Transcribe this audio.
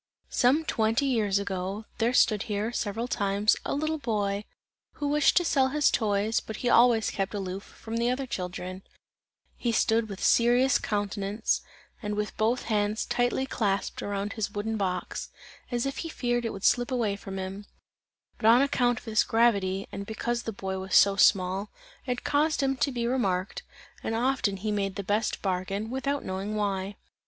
Some twenty years ago, there stood here, several times, a little boy, who wished to sell his toys, but he always kept aloof from the other children; he stood with serious countenance and with both hands tightly clasped around his wooden box, as if he feared it would slip away from him; but on account of this gravity, and because the boy was so small, it caused him to be remarked, and often he made the best bargain, without knowing why.